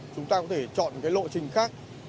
chúng ta có thể chọn lộ trình khác